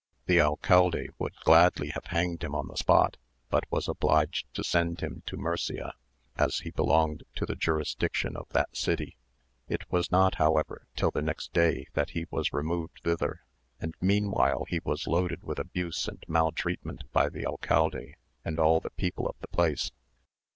The alcalde would gladly have hanged him on the spot, but was obliged to send him to Murcia, as he belonged to the jurisdiction of that city. It was not, however, till the next day that he was removed thither, and meanwhile he was loaded with abuse and maltreatment by the alcalde and all the people of the place.